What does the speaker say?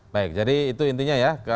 baik jadi itu intinya ya